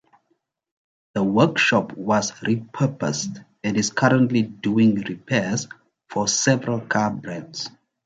The workshop was repurposed and is currently doing repairs for several car brands.